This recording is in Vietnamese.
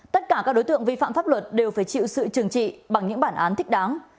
tất cả các đối tượng vi phạm pháp luật đều phải chịu sự trừng trị bằng những bản án thích đáng